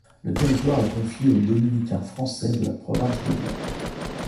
Le territoire est confié aux dominicains français de la province de Lyon.